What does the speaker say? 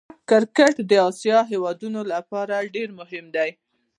کرکټ د آسيايي هېوادو له پاره ډېر مهم دئ.